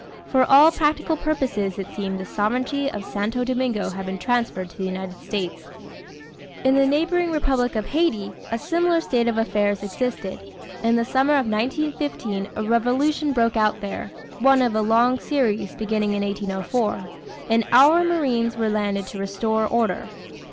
For all practical purposes, it seemed, the sovereignty of Santo Domingo had been transferred to the United States. In the neighboring republic of Haiti, a similar state of affairs existed. In the summer of 1915 a revolution broke out there one of a long series beginning in 1804 and our marines were landed to restore order.